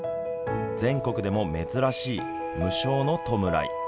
全国でも珍しい無償の弔い。